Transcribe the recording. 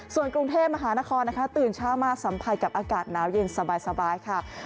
ส่วนกรุงเทพมหานครนะคะตื่นเช้ามาสัมผัสกับอากาศหนาวเย็นสบายค่ะ